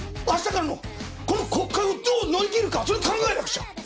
明日からのこの国会をどう乗り切るかそれ考えなくちゃ！